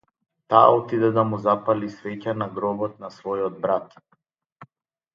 Таа отиде да му запали свеќа на гробот на својот брат.